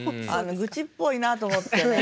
愚痴っぽいなと思ってね。